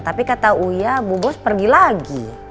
tapi kata uya bu bos pergi lagi